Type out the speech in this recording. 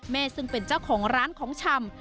ซึ่งเป็นเจ้าของร้านของชำ